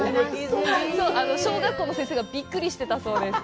小学校の先生がびっくりしてたそうです。